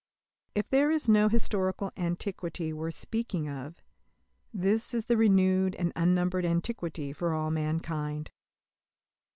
If there is no historical Antiquity worth speaking of, this is the renewed and unnumbered Antiquity for all mankind.